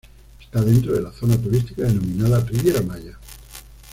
Está dentro de la zona turística denominada "Riviera Maya".